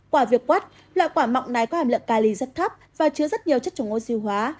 quả việc quắt là quả mọng này có hàm lượng cali rất thấp và chứa rất nhiều chất chống oxy hóa